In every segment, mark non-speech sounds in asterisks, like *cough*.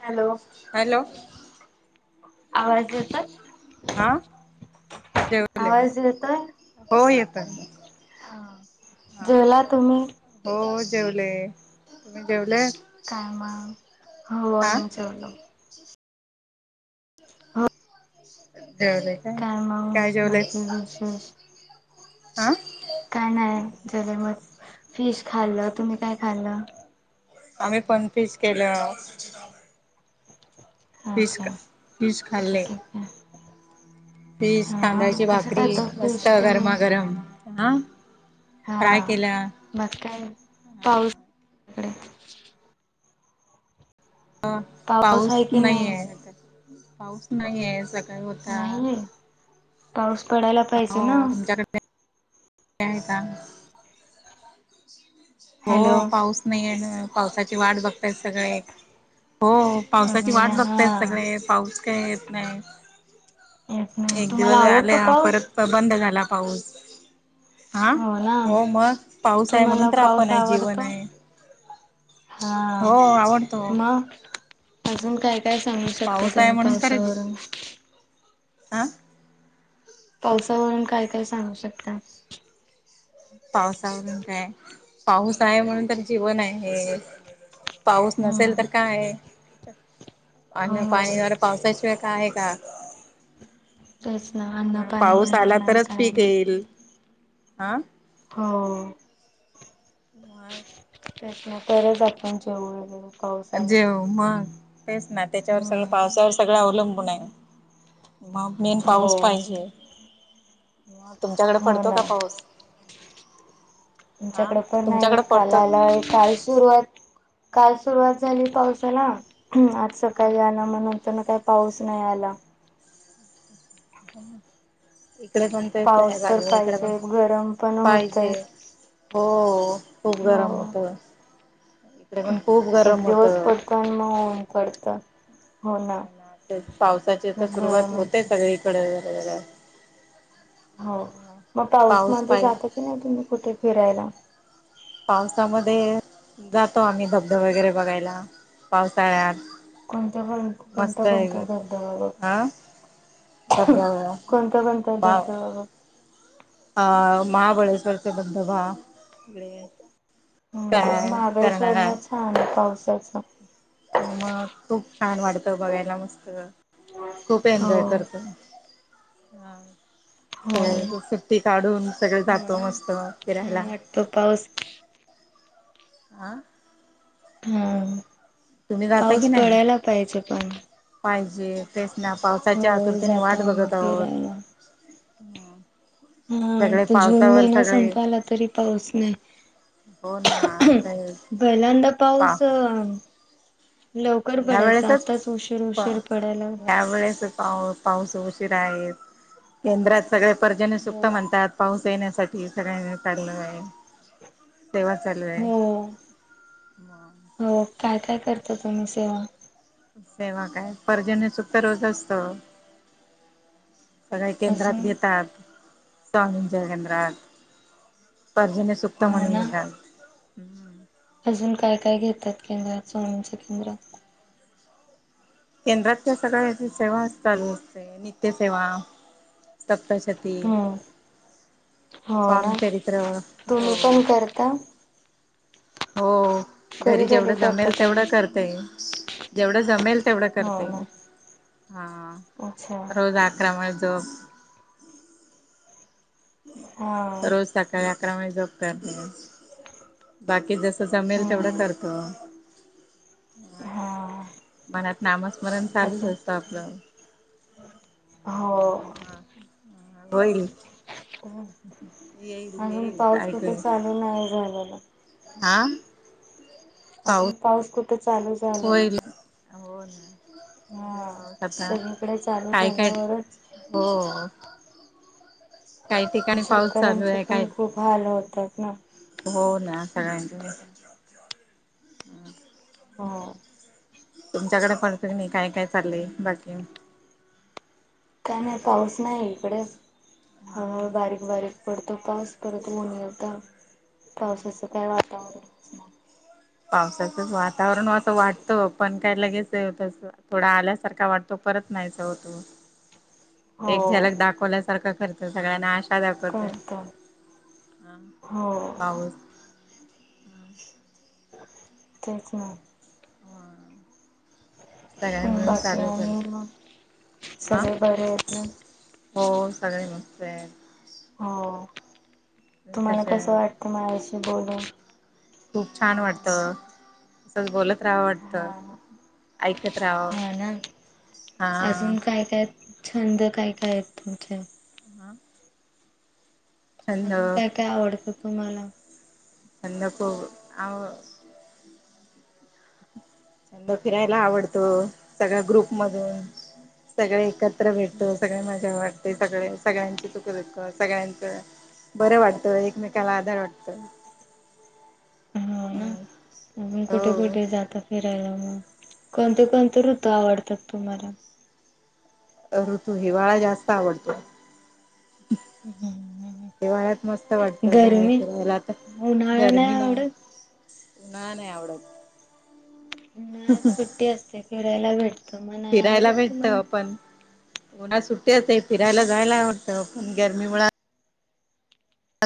Hello hello आवाज येतोय? हा आवाज येतोय? जेवाय येतय मग हा जेवला तुम्ही? हो जेवले तुम्ही जेवले? काय मग हो हा जेवलो. हा जेवलंय काय काय बाकी जेवलंयस विशेष? हा? काय नाही जर मग फिश खाल्ल. तुम्ही काय खाल्ल? आम्ही पण फिश केलं हा फिश का काय फिश खाल्ले. बाकी काय? फिश, हा तांदळाची कसं भाकरी करता मस्त फिश तुम्ही? गरमागरम हा. हा फ्राय केल्या मग काय हा पाऊस तिकडे? हा पाऊस नाही आहे आता पाऊस नाहीये सकाळी होता. नाहीये. पाऊस पडायला पाहिजे ना. हो तुमच्याकडे का हॅलो हो पाऊस नाही आहे. पावसाची वाट बघताय सगळे हो पावसाची सगळे वाट बघताय हा सगळे पाऊस काही येत नाही येत नाही एक तुम्हाला दिवस आवडतो आले पाऊस परत बंद झाला. पाऊस हा हो मग पाऊस आहे म्हणून तुम्हाला तर पाऊस आपण आहे जीवण आवडतो आहे. हा हो आवडतो. मग अजून काय काय सांगू शकताय पाऊस तुम्ही पावसावरून? आं पावसावरून काय काय सांगू शकताय? पावसावरून, काय पाऊस आहे म्हणून तर जीवन आहे. पाऊस नसेल हम्म तर काय, हो अन्नपाणी पावसा शिवाय काय आहे का? तेच ना अन्न पाणी पाऊस येणार आला नाही तरच काय पीक नाही येईल हा. हो मगं त्यातनं परत आपण पाऊस आला तर जेव मग तेच ना त्याच्यावर हम्म सगळं पावसावर सगळं अवलंबून आहे. मगं मेन पाऊस हो पाहिजे. म तुमच्याकडं पडतो का पाऊस? हा आमच्याकडं पण नाही. तुमच्याकडे काल पडतो आलाय काल सुरुवात काल सुरुवात झाली पावसाला, आज सकाळी हा झाला म नंतरन काय, पाऊस नाही आला. हम एक इकडे पण ते तयार पाऊस तर झालं नाही इकडे पण पाहिजे गरम पण पाहिजे, होतय हो खूप गरम हो. होतं. इकडे पण खूप गरम एक दिवस होतं पडतो आणि मगं ऊन पडतं. नाही ना आ पावसाची तर सुरुवात गरम होते होतं. सगळीकडे जरा जरा हो मग पाऊस मध्ये पाहि जाता की नाही तुम्ही कुठे फिरायला? पावसामध्ये जातो आम्ही धबधबे वगैरे बघायला, पावसाळ्यात कोणत्या पण कोणता मस्त आहे कोणता धबधबा हा बघता? धबधबा कोणता कोणता धबधबाबा बघता अ महाबळेश्वरचे धबधबा इकडे हम्म काय महाबळेश्वर करणार ला छान पाऊस असतो. मग खुप छान वाढतं बघायला मस्त खूप एन्जॉय हो करतो. हा हो. तर सुट्टी काढूनं सगळे हो जातो ना मस्त अ छान फिरायला. वाटतो पाऊस *inaudible* आ. हा जाता पाऊस की पडायला पाहिजे पण. जे तेच ना पावसाच्या हो आतुरतेने जातो वाट आम्ही बघत आहोत. फिरायला हा सगळे तर जून पावसावर महिना सगळे संपायला तरी पाऊस नाही. हो ना पहिल्यांदा पाऊस लवकर यावेेळेस पडायचा आताच उशीर पा उशीर पडायला यावेेळेस पावत- पाऊस उशीर आहेत केंद्रात सगळे पर्जन्यसुक्त हो म्हणतात पाऊस येण्यासाठी *unintelligible* चाललय. सेवा चालू आहे. हो हो काय काय करता तुम्ही सेवा? सेवा काय पर्जन्य सुक्त रोज असतं. सगळे केंद्रात अजून घेतात. स्वामींच्या केंद्रात पर्जन्य सुक्त हो म्हणुन घेतात. आजुन काय काय घेतात, केंद्रात, स्वामींच्या केंद्रात? केंद्रात काय सगळ्या सेवा चालू असते, नित्यसेेवा सप्तशती. हम्म हो ना स्वामी चरित्र तुम्ही पण हो. करता हो कधी घरी कधी जेवढं करता जमेल तुम्ही तेवढं करतेय. जेवढं जमेल तेवढं हो करते ना मी. हा अच्छा रोज अकरा माळं जप. हा रोज सकाळी अकरा माळी जप. करणे बाकी जसं जमेल तेवढं हम्म करतो. हा *unintelligible* यात नामस्मरण अजून चालूचं असत आपलं. हो. हा होईल येईल अजून येईल पाऊस कुठे चालू नाही झालेला? आ अजून पाऊस कुठे चालू झाला होईल नाही? हो ना. हा पाऊस आता सगळीकडे चालू काय काय झाल्यावरच हो काही ठिकाणी पाऊस चालू शेतकऱ्यांचे आहे काय पण खूप हाल होतात ना हो ना. *unintelligible* हो. तुमच्याकडे पडतोय की नाही? काय काय चाललंय बाकी? काय नाही पाऊस नाही इकडे हा हळुहळू बारीक बारीक. तो पाऊस परत ऊन येतं, हा पावसाचं काय वातावरणच नाही. पावसाचच वातावरण असं वाटत पण काय लगेच तस थोडा आल्यासारखा वाटतो परत नाहीसा होतो, एक हो झलक दाखवल्यासारख करतो सगळ्यांना आ शा दाखवतोय करत हो पाऊस *unintelligible* तेच ना सगळ्या मिळून बाकी चालू कर आणि मग हा सगळे बरे आहेत ना हो सगळे मस्त आहेत. हो तुम्हाला कसे कसं आहेत वाटत माझ्याशी बोलून? खूप छान वाटत असं बोलत रहावं हा वाटतं ना. ऐकत राहाव हा ना अजून काय काय छंद काय काय आहेत तुमचे? हां अजून काय काय आवडतं तुम्हाला? छंद प आ छंद फिरायला आवडतं सगळ्या ग्रुप मधून सगळे एकत्र भेटतो, सगळे मजा वाटते, सगळे सगळ्यांची सुख- दुःख सगळ्यांच बरं वाटतं एकमेकाला आधार वाटतो. *inaudible* हो ना ह कुठे कुठे जाता फिरायला मग? कोणते कोणते ऋतू आवडतात तुम्हाला? ऋतू हिवाळा जास्त आवडतो. हिवाळ्यात मस्त वाटतं बाहेर गरमी फिरायला तर गरमी नाही. *inaudible* उन्हाळा नाही आवडत. उन्हाळ्यात सुट्टी असते फिरायला भेट फिरायला भेटत पण उन्हात सुट्टी असते फिरायला जायला आवडतं पण गरमी मुळं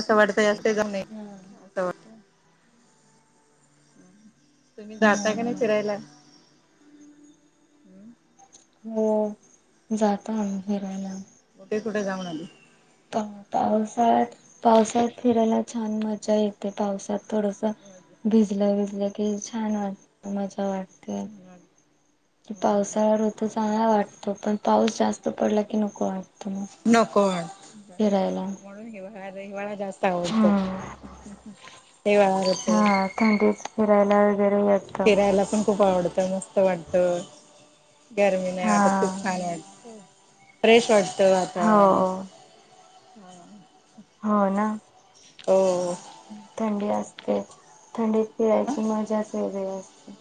असं वाटतं *unintelligible* जाऊ नाही हा असं वाटत तुम्ही जाता का नाही हा फिरायला? हो जाता आम्ही फिरायला. कुठे कुठे जाऊन आली? पावसा पावसात फिरायला छान मजा येते पावसात थोडस भिजलं भिजलं की छान वाटत मजा वाटत पावसाळा्या ऋत चांगला वाटत तो पण पाऊस जास्त पडला की नको आहे नकणमणूनवा जास्त आवडतो हम्म तेवहार होते हा थंडीच फिरायला वगैरे येत फिरांयंला पणं खूप आवडतं मस्त वाटतं गरमी नाहीं वाटतं खूप हा. छांन वाटतं फ्रेश वाटतं तर वातावरण हो हो नां हो थंडी असतें थंडीत फिरांयंची मज्जा सं वेगळी असतें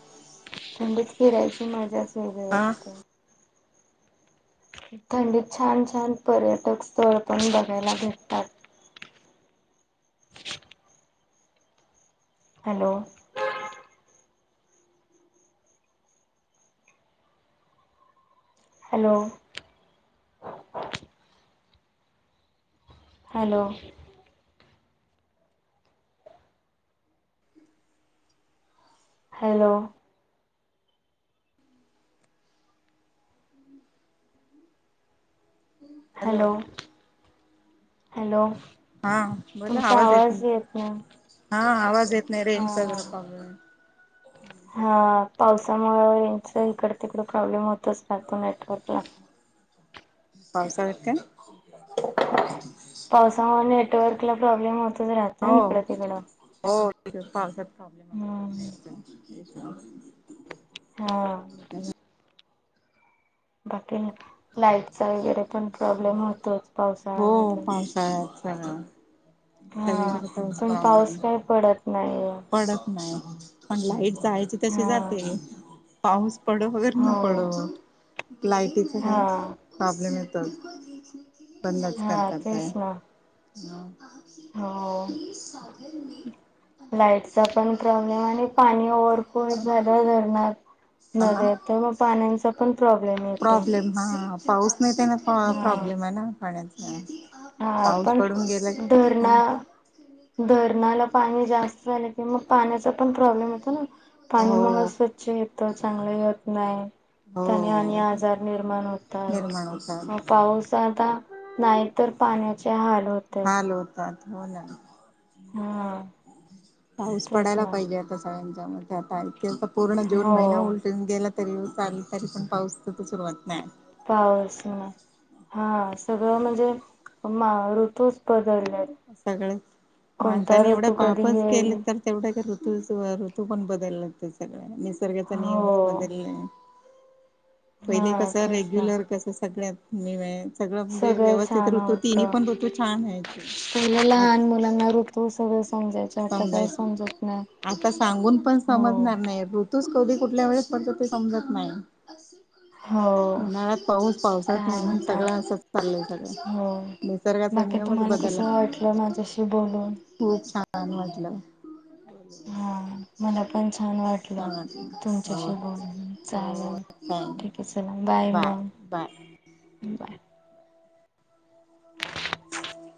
थंडीत फिरायची मज्जाच से हा वासके *unintelligible* थंडीत छांन छांन पर्यटक स्थळं पणं बघायंला भेटतांत *unintelligible* hello hello hello hello hello hello हा बोला तुमचा आवाज येतं येत नाही हा आवाज येतं आहे रेंज आहे बरोबर हो हा पावसामुळे रेंज यांच इकडं तिकडं प्रॉब्लेम होतंच नां तो नेटवर्कला पावसाळ्यांत कायं पावसांमुळे नेटवर्कला प्रॉब्लेम होतंच राहतं इकडं तिकडं पावसांत प्रॉब्लेम हम्म असतों न हा बाकी लाईटचा वगैरे पणं प्रॉब्लेम होतोच पावसाळ्यांमध्यें का *unintelligible* हा पणं पाऊस कायं पडतं पडतं म्हटलं पणं लाईट जांयची तशी हा जाते पाऊस पंडो वगैरे न हो पडो लायटींच कांहीं हा प्रॉब्लेम येतोच बंदच हा करतांत कायं तेच ना तसं हो. सांग *unintelligible* लाईटचा पणं प्रॉब्लेम आणि पाणी पाणी फूल झालं धरणांत हा नद्या तर मंग पाण्यांचा पणं प्रॉब्लेम येतों प्रॉब्लेम हा पाऊस नाहीं त्यांनां प्रॉब्लेम आहे नां पाण्याचा हा पाऊस पडून गेला पणं की धरणां धर धरणांला पाणी जास्तं झाले की मंग पाण्याचा पणं प्रॉब्लेम होतो नां पाणी हो मंग अस्वंच्छ येतों चांगलं येतं नाहीं आणि हो आजार निर्माण होतांत निर्माण होतात पाऊस आतां नाहीं पाण्याचे हाल होतें त हो जा *unintelligible* हा पाऊस तेच पडायला ना पाहिजे आंता सगळ्यांच्या मंग आता इथं पूर्ण जून महिना हो उलटूंन गेला तरी साल तरी पणं पाऊस तर सुरुवात नाहीं पाऊस हां सगळं म्हणजे ऋतुप सगळेच माणसांने एवढं ऋतू कधी पांपच येईल केलें तर तेवढं ऋतू पणं बदलल्या ते सगळं निसर्गाचा नियमच हो बदलला पहिले हा कसं तेच ना रेग्युलर कसं सगळ्यांत मिळांयंचं- सगळं म्हणजे व्यवस्थित छान ऋतु होत तिन्हीं पणं ऋतु छान व्हायचे. पहिलं आंत लहान मुलांना ऋतू सगळं समजायचं आता काही समजायचं समजत नाही आंता सांगून पण स- हो समजणार नाहीं ऋतूस कधीं कुठल्या वेळेस पडतो ते समजतं नायी. हो उन्हाळ्यांत पाऊस पावसाळ्यांत काय ऊन्ह आता सगळं असचं चाललंय सगळं हो निसर्गाचा- निसर्गाचा बाकी नियमंच तुम्हाला कसं बदललां- वाटलं माझ्यांशी बोलून- छान वाटल. हा मला पण छान वाटलं हां हों तुमच्याशी बोलून हों चालेल छान ठीक आहे चला बाय. मग बाय. बाय.